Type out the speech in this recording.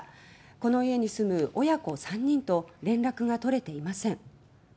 この家に住む親子３人と連絡が取れていません。